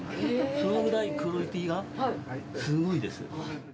そのぐらいクオリティーがすごいです。